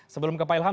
sebelum ke pak ilham